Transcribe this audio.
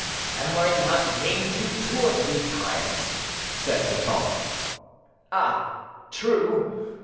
"Have I not named you two or three times?" said Miton. "Ah! true.